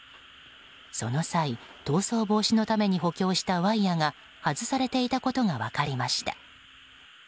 その際、逃走防止のために補強したワイヤが外されていたことが分かりました。